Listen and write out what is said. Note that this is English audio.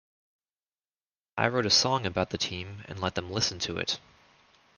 I wrote a song about the team and let them listen to it.